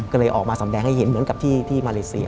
ก็เลยออกมาแสดงให้เห็นเหมือนกับที่มาเลเซีย